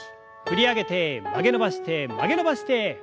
振り上げて曲げ伸ばして曲げ伸ばして振り下ろす。